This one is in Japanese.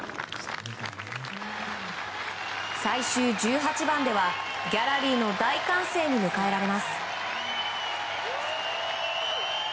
最終１８番ではギャラリーの大歓声に迎えられます。